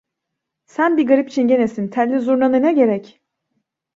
Sen bir garip Çingenesin, telli zurna nene gerek.